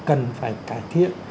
cần phải cải thiện